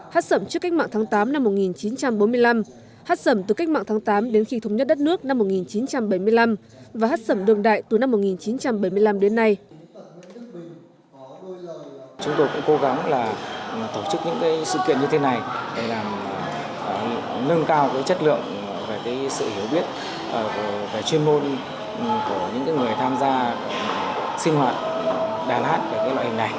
hát sẩm trước cách mạng tháng tám năm một nghìn chín trăm bốn mươi năm hát sẩm từ cách mạng tháng tám đến khi thống nhất đất nước năm một nghìn chín trăm bảy mươi năm và hát sẩm đường đại từ năm một nghìn chín trăm bảy mươi năm đến nay